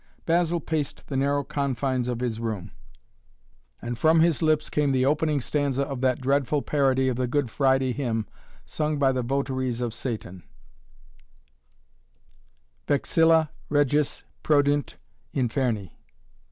Basil paced the narrow confines of the room, and from his lips came the opening stanza of that dreadful parody of the Good Friday hymn sung by the votaries of Satan: "Vexilla Regis Prodeunt Inferni."